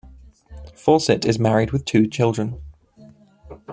Fawcett is married with two children.